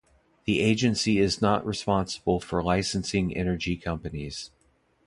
The Agency is not responsible for licensing energy companies.